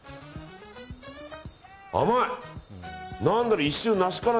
甘い！